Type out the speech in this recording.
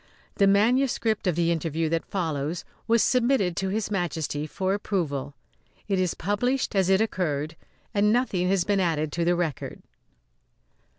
The manuscript of the interview that follows was submitted to His Majesty for approval. It is published as it occurred, and nothing has been added to the record.